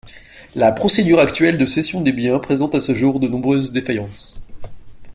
La procédure actuelle de cession des biens présente à ce jour de nombreuses défaillances.